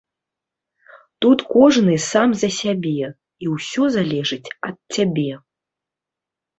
Тут кожны сам за сябе, і ўсё залежыць ад цябе.